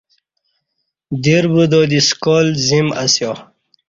دیر بدا دی سکال زیم اسیا